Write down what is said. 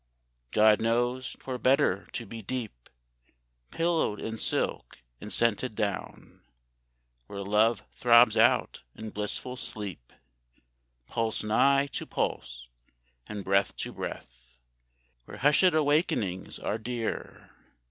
God knows 'twere better to be deep Pillowed in silk and scented down, Where Love throbs out in blissful sleep, Pulse nigh to pulse, and breath to breath, Where hushed awakenings are dear